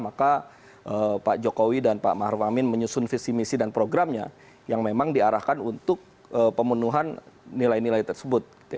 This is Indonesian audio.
maka pak jokowi dan pak maruf amin menyusun visi misi dan programnya yang memang diarahkan untuk pemenuhan nilai nilai tersebut